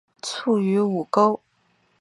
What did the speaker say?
卒于午沟。